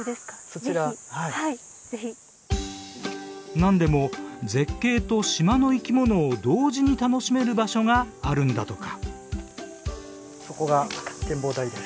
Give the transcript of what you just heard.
何でも絶景と島の生き物を同時に楽しめる場所があるんだとか。